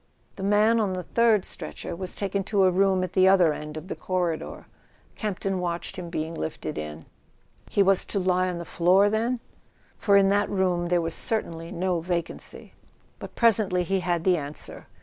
The man on the third stretcher was taken to a room at the other end of the corridor. Campton watched * him being lifted in. He was to lie on the floor, then? For in that room there was certainly no vacancy. But presently he had the answer.